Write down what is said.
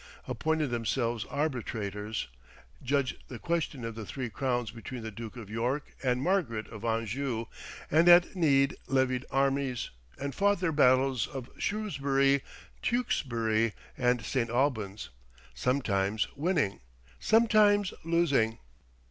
appointed themselves arbitrators, judged the question of the three crowns between the Duke of York and Margaret of Anjou, and at need levied armies, and fought their battles of Shrewsbury, Tewkesbury, and St. Albans, sometimes winning, sometimes losing.